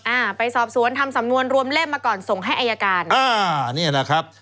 อ่าไปสอบสวนทำสำนวนรวมเล่มมาก่อนส่งให้อายการอ่าเนี่ยนะครับ